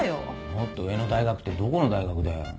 もっと上の大学ってどこの大学だよ。